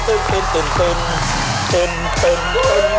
ตุนตุนตุนตุนตุนตุนตุน